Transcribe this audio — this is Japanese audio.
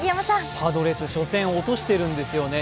パドレス、初戦落としてるんですよね。